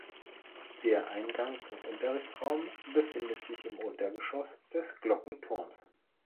Der Eingang zum Unterrichtsraum befindet sich im Untergeschoss des Glockenturms.